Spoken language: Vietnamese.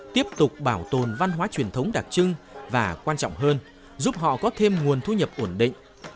tiếp tục bảo tồn văn hóa truyền thống đặc trưng và quan trọng hơn giúp họ có thêm nguồn thu nhập ổn định